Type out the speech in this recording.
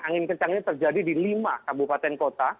angin kencangnya terjadi di lima kabupaten kota